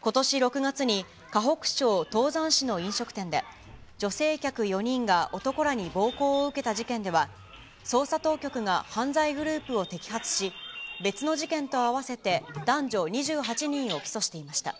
ことし６月に河北省唐山市の飲食店で、女性客４人が男らに暴行を受けた事件では、捜査当局が犯罪グループを摘発し、別の事件と合わせて男女２８人を起訴していました。